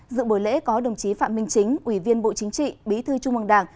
dự bồi lễ có đồng chí phạm minh chính ủy viên bộ chính trị bí thư trung bằng đảng